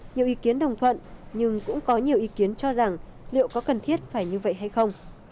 nhiều ý kiến đồng thuận nhưng cũng có nhiều ý kiến cho rằng liệu có cần thiết phải như vậy hay không